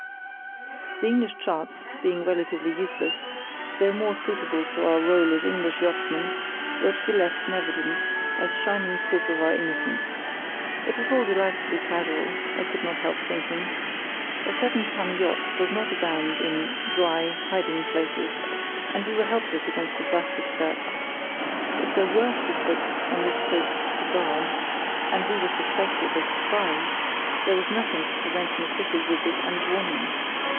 The English charts, being relatively useless, though more suitable to our rôle as English yachtsmen, were to be left in evidence, as shining proofs of our innocence. It was all delightfully casual, I could not help thinking. A seven ton yacht does not abound in (dry) hiding places, and we were helpless against a drastic search. If there were secrets on this coast to guard, and we were suspected as spies, there was nothing to prevent an official visit and warning.